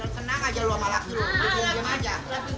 senang aja lo sama laki laki lo berhenti henti aja